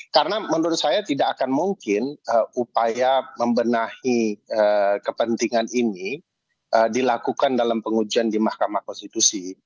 karena menurut saya tidak akan mungkin upaya membenahi kepentingan ini dilakukan dalam pengujian di mahkamah konstitusi